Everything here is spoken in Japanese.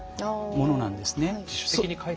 そうなんですね。